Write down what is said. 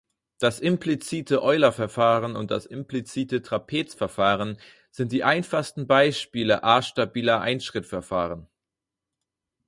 Das implizite Euler-Verfahren und das implizite Trapez-Verfahren sind die einfachsten Beispiele A-stabiler Einschrittverfahren.